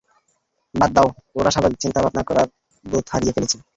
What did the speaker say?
বাদ দাও, ওরা স্বাভাবিক চিন্তা ভাবনা করার বোধ হারিয়ে ফেলেছে।